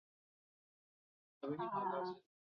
三臂星虫为孔盘虫科三臂星虫属的动物。